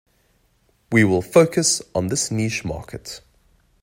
We will focus on this niche market.